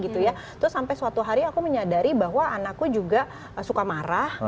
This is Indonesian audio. terus sampai suatu hari aku menyadari bahwa anakku juga suka marah